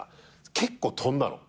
結構飛んだの。